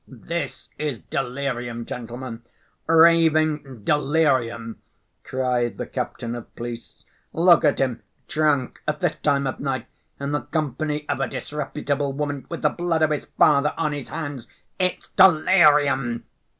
"This is delirium, gentlemen, raving delirium," cried the captain of police; "look at him: drunk, at this time of night, in the company of a disreputable woman, with the blood of his father on his hands.... It's delirium!..."